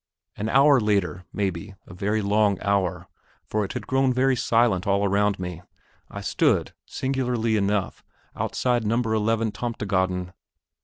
An hour after, maybe a very long hour, for it had grown very silent all around me I stood, singularly enough, outside No. 11 Tomtegaden.